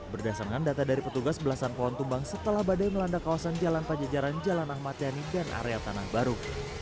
berdasarkan data dari petugas belasan pohon tumbang setelah badai melanda kawasan jalan pajajaran jalan ahmad yani dan area tanah baru